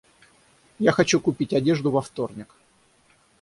Я хочу купить одежду во вторник.